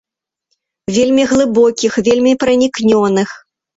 Вельмі глыбокіх, вельмі пранікнёных.